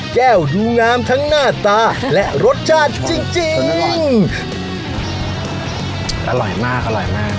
ดูงามทั้งหน้าตาและรสชาติจริงจริงอร่อยมากอร่อยมาก